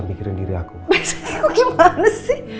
pikirin diri aku bisa kok gimana sih